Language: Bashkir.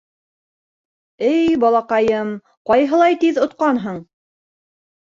— Эй балаҡайым, ҡайһылай тиҙ отҡанһың.